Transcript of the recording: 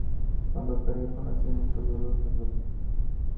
Cuando perdió el conocimiento, los dos la violaron.